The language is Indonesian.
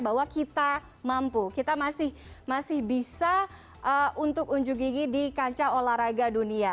bahwa kita mampu kita masih bisa untuk unjuk gigi di kancah olahraga dunia